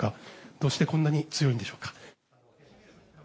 どうしてこんなに強いんでしょうか。